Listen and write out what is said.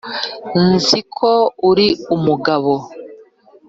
Nzi ko uri umugabo,